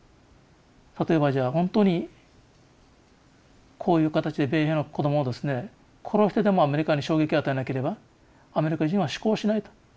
例えばじゃ本当にこういう形で米兵の子供をですね殺してでもアメリカに衝撃を与えなければアメリカ人は思考しないと。